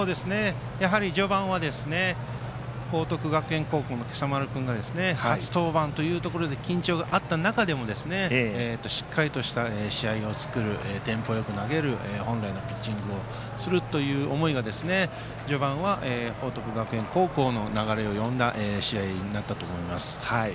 序盤は報徳学園高校の今朝丸君が初登板というところで緊張があった中でしっかりとした試合を作るテンポよく投げる本来のピッチングをするという思いが序盤は報徳学園高校の流れを呼んだ試合になったと思います。